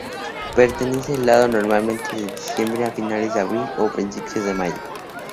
Permanece helado normalmente de diciembre a finales de abril o principios de mayo.